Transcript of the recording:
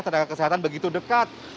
tenaga kesehatan begitu dekat